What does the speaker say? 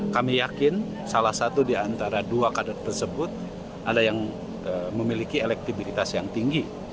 kami yakin salah satu di antara dua kader tersebut ada yang memiliki elektibilitas yang tinggi